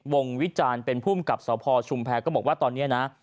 วิจารณ์เป็นภูมิกับสพชุมแพรก็บอกว่าตอนนี้นะ